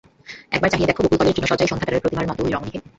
একবার চাহিয়া দেখো, বকুলতলের তৃণশয্যায় সন্ধ্যাতারার প্রতিমার মতো ঐ রমণী কে।